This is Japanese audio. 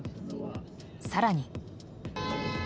更に。